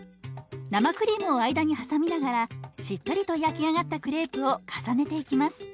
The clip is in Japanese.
生クリームを間に挟みながらしっとりと焼き上がったクレープを重ねていきます。